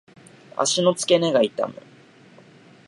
足の付け根が痛む。